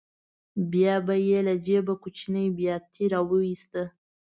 بیا به یې له جېبه کوچنۍ بیاتي راوویسته.